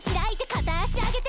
かたあしあげて！